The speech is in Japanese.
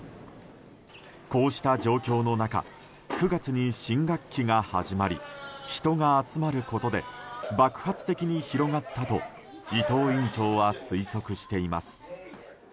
こうした状況の中９月に新学期が始まり人が集まることで爆発的に広がったと伊藤院長は推測しています。